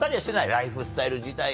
ライフスタイル自体がとか。